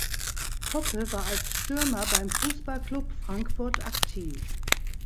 Poppe war als Stürmer beim Fußballclub Frankfurt aktiv.